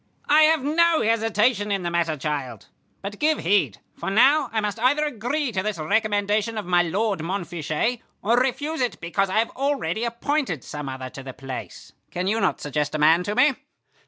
"I have no hesitation in the matter, child. But give heed, for now I must either agree to this recommendation of my lord Montfichet, or refuse it because I have already appointed some other to the place. Can you not suggest a man to me?"